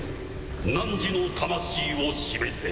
なんじの魂を示せ。